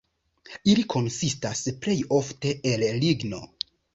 Ili konsistas plej ofte el ligno.